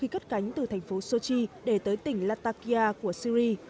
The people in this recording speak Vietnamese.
cánh từ thành phố sochi để tới tỉnh latakia của syri